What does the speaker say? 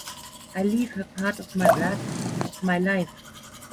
I leave her part of my blood, of my life.